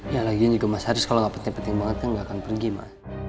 ya lagian juga mas haris kalau gak penting penting banget ya gak akan pergi ma